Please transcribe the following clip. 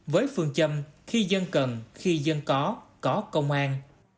với phương châm khi dân cần khi dân có có công an